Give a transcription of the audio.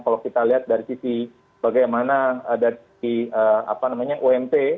kalau kita lihat dari sisi bagaimana dari ump